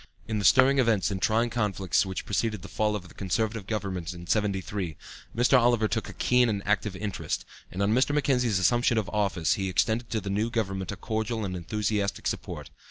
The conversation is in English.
In the stirring events and trying conflicts which preceded the fall of the Conservative Government in '73, Mr. Oliver took a keen and active interest; and on Mr. Mackenzie's assumption of office he extended to the new government a cordial and enthusiastic support.